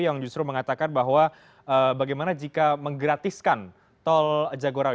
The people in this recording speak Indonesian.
yang justru mengatakan bahwa bagaimana jika menggratiskan tol jagorawi